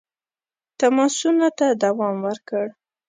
تماسونو ته دوام ورکړ.